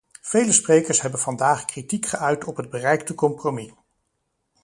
Vele sprekers hebben vandaag kritiek geuit op het bereikte compromis.